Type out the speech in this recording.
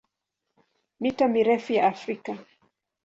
Mito mirefu ya Afrika